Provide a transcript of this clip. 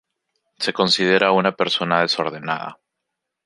Se considera una persona desordenada.